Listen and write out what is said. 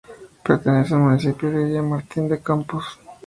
Pertenece al municipio de Villamartín de Campos.